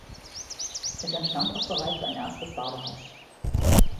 Es entstand auch bereits ein erstes Badehaus.